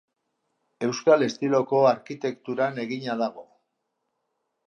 Euskal estiloko arkitekturan egina dago.